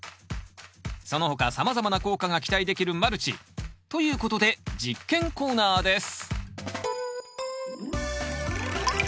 その他さまざまな効果が期待できるマルチ。ということで実験コーナーです